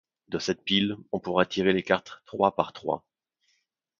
De cette pile, on pourra tirer les cartes trois par trois.